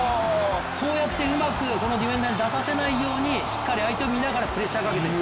そうやってうまくこのディフェンダーに出させないようにして、しっかり相手を見ながらプレッシャーをかけている。